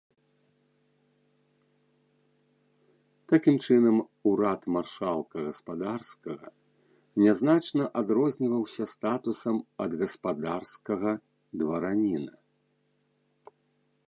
Такім чынам, урад маршалка гаспадарскага не значна адрозніваўся статусам ад гаспадарскага двараніна.